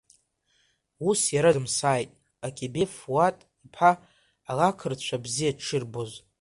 Ус иара дымсааит, Акибеи Фуат-иԥа ақырҭцәа бзиа дшырбоз!